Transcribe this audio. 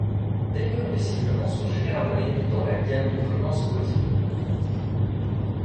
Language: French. D’ailleurs, les sifflements sont généralement émis dans la gamme de fréquences audibles.